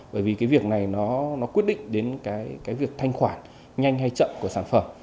bởi vì cái việc này nó quyết định đến cái việc thanh khoản nhanh hay chậm của sản phẩm